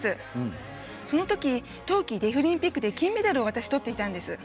そのとき、冬季デフリンピックで金メダルをとっていたんです。